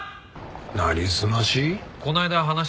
なりすまし？